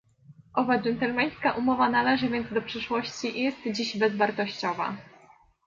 Owa "dżentelmeńska umowa" należy więc do przeszłości i jest dziś bezwartościowa